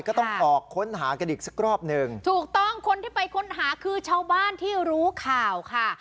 ก็ต้องออกค้นหากันอีกสักรอบหนึ่งถูกต้องคนที่ไปค้นหาคือชาวบ้านที่รู้ข่าวค่ะ